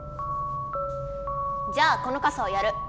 じゃあこのかさをやる。